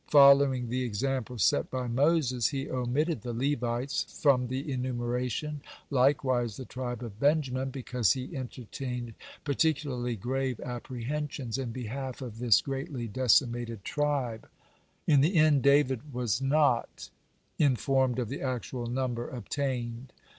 Following the example set by Moses, he omitted the Levites from the enumeration, likewise the tribe of Benjamin, because he entertained particularly grave apprehensions in behalf of this greatly decimated tribe. (119) In the end, David was not informed of the actual number obtained.